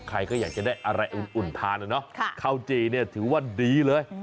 ใครก็อยากจะได้อะไรอุ่นทานนะเนาะข้าวจีเนี่ยถือว่าดีเลย